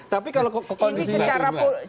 tapi kalau ke kondisi